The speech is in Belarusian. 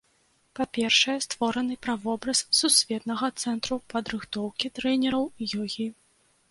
Па-першае, створаны правобраз сусветнага цэнтру падрыхтоўкі трэнераў ёгі.